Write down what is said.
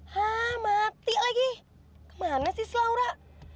hai ha mati lagi kemana sih laura